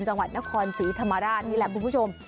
จังหวัดนครศรีธรรมราชนี่แหละคุณผู้ชม